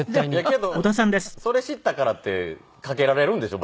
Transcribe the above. けどそれ知ったからってかけられるんでしょ？